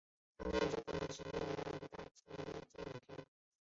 这与他同时期众多心理学家的观点大相径庭。